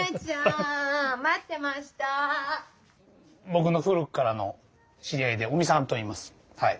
僕の古くからの知り合いで尾身さんといいますはい。